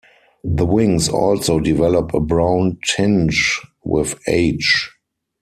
The wings also develop a brown tinge with age.